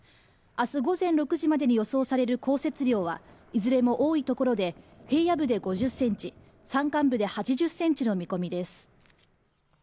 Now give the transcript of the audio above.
明日午前６時までに予想される降雪量はいずれも多い所で平野部で５０ｃｍ、山間部で８０ｃｍの見込みです。